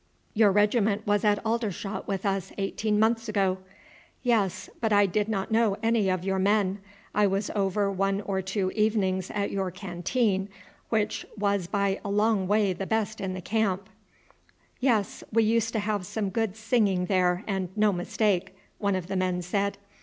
"Your regiment was at Aldershot with us eighteen months ago." "Yes; but I did not know any of your men. I was over one or two evenings at your canteen, which was by a long way the best in the camp." "Yes, we used to have some good singing there and no mistake," one of the men said.